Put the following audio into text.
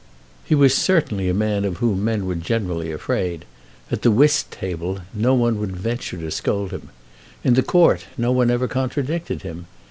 He was certainly a man of whom men were generally afraid. At the whist table no one would venture to scold him. In the court no one ever contradicted him.